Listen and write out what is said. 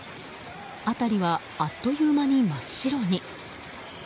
辺りは、あっという間に真っ白に。